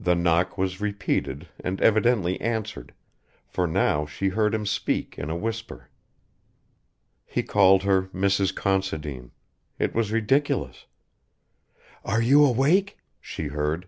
The knock was repeated and evidently answered, for now she heard him speak in a whisper. He called her Mrs. Considine it was ridiculous! "Are you awake?" she heard.